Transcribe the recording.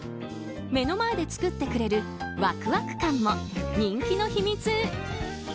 目の前で作ってくれるワクワク感も人気の秘密。